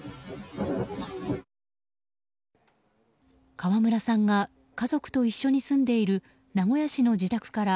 川村さんが、家族と一緒に住んでいる名古屋市の自宅から